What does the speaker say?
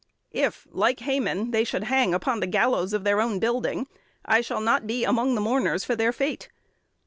If, like Haman, they should hang upon the gallows of their own building, I shall not be among the mourners for their fate.